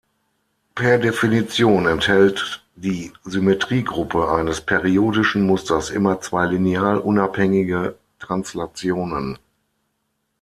Per Definition enthält die Symmetriegruppe eines periodischen Musters immer zwei linear unabhängige Translationen.